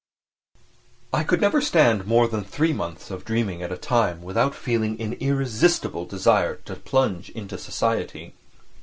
I could never stand more than three months of dreaming at a time without feeling an irresistible desire to plunge into society.